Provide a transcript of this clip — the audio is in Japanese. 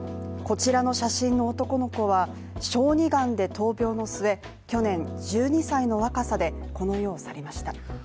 こちらの写真の男の子は小児がんで闘病の末去年、１２歳の若さでこの世を去りました。